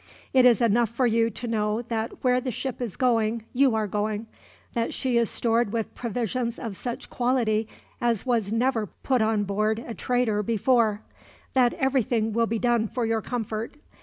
It is enough for you to know that where the ship is going you are going; that she is stored with provisions of such quality as was never put on board a trader before; that everything will be done for your comfort.